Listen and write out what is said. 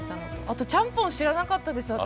あとちゃんぽん知らなかったです私。